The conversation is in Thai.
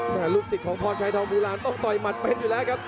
ลูกศิษย์ของพรชัยทองโบราณต้องต่อยหมัดเป็นอยู่แล้วครับ